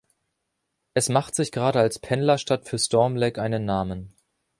Es macht sich gerade als Pendlerstadt für Storm Lake einen Namen.